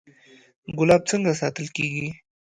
ګلاب څنګه ساتل کیږي؟